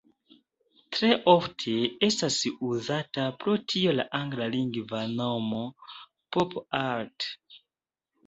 Tre ofte estas uzata pro tio la anglalingva nomo "pop art".